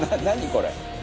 これ。